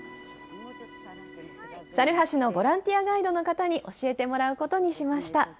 猿橋のボランティアガイドの方に教えてもらうことにしました。